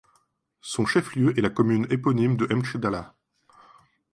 Son chef-lieu est la commune éponyme de M'Chedallah.